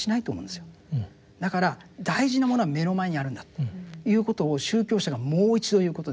だから大事なものは目の前にあるんだということを宗教者がもう一度言うことですね。